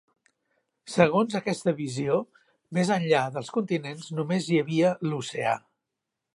Segons aquesta visió, més enllà dels continents només hi havia l'oceà.